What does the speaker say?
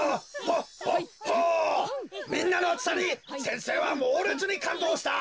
みんなのあつさに先生はもうれつにかんどうした。